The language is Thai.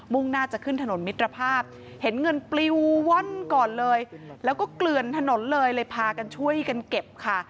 ่งหน้าจะขึ้นถนนมิตรภาพเห็นเงินปลิวว่อนก่อนเลยแล้วก็เกลือนถนนเลยเลยพากันช่วยกันเก็บค่ะ